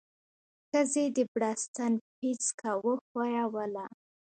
ښځې د بړستن پيڅکه وښويوله.